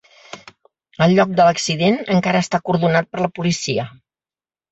El lloc de l’accident encara està acordonat per la policia.